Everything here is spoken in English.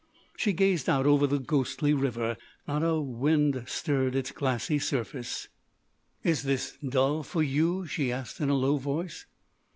She gazed out over the ghostly river. Not a wing stirred its glassy surface. "Is this dull for you?" she asked in a low voice.